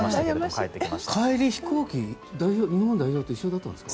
帰り、飛行機日本代表と同じだったんですか？